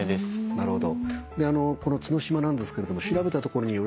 なるほど。